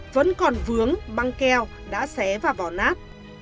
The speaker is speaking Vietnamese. vẫn còn vướng băng keo đã xé vào vỏ nát